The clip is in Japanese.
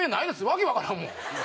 訳わからんもん。